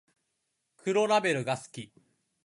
黒ラベルが好き